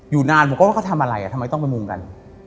นานผมก็ว่าเขาทำอะไรทำไมต้องไปมุมกัน